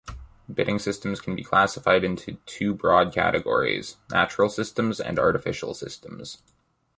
Bidding systems can be classified into two broad categories: "natural" systems and "artificial" systems.